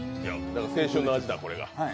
青春の味だ、これが。